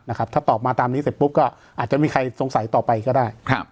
ถ้าตอบมาตามนี้เสร็จปุ๊บก็อาจจะมีใครสงสัยต่อไปก็ได้